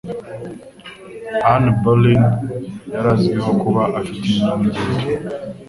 Anne Boleyn yari azwiho kuba afite inyongera